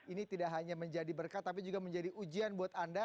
ini tidak hanya menjadi berkat tapi juga menjadi ujian buat anda